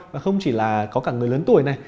và không chỉ là có cả người lớn tuổi này